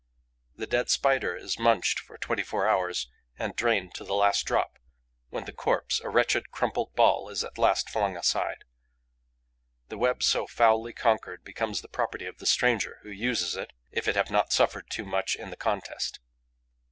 The dead Spider is munched for twenty four hours and drained to the last drop, when the corpse, a wretched, crumpled ball, is at last flung aside. The web so foully conquered becomes the property of the stranger, who uses it, if it have not suffered too much in the contest.